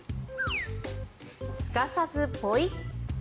すかさずポイ。